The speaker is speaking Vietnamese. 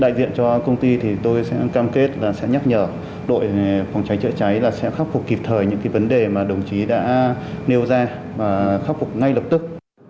đại diện cho công ty thì tôi sẽ cam kết là sẽ nhắc nhở đội phòng cháy chữa cháy là sẽ khắc phục kịp thời những cái vấn đề mà đồng chí đã nêu ra và khắc phục ngay lập tức